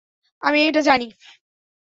আমি এটা জানি।